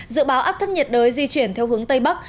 dự báo áp thấp nhiệt đới di chuyển theo hướng tây bắc